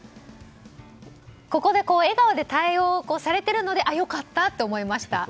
ここで笑顔で対応されているのであ、良かったって思いました。